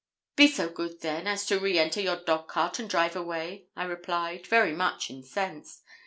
'Be so good, then, as to re enter your dog cart and drive away,' I replied, very much incensed.